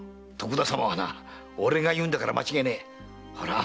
徳田様はな俺が言うんだから間違いねえ。